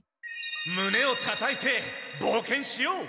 胸をたたいて冒険しよう。